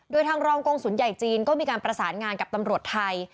โดยทางรองกงศูนย์ใหญ่จีนก็มีการประสานงานกับตำรวจไทย